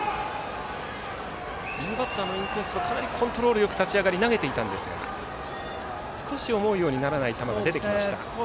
右バッターのインコースはコントロールよく立ち上がり投げていましたが思うようにならない球が出てきましたか。